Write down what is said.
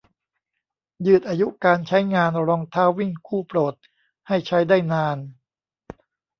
ยืดอายุการใช้งานรองเท้าวิ่งคู่โปรดให้ใช้ได้นาน